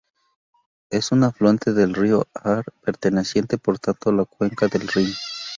Es un afluente del río Aar, perteneciente por tanto a la cuenca del Rin.